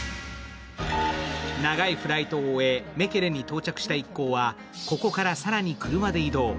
長いフライトを終え、メケレに到着した一行は、ここから更に車で移動。